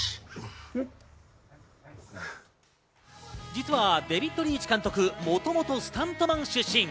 実はデヴィッド・リーチ監督、もともとスタントマン出身。